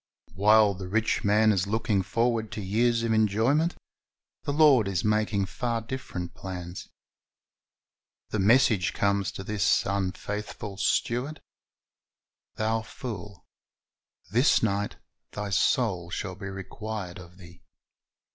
"^ While the rich man is looking forward to years of enjoyment, the Lord is making far different plans. The message comes to this unfaithful steward, "Thou fool, this night thy soul shall be required of thee."